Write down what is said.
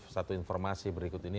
satu informasi berikut ini